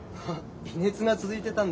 微熱が続いてたんで。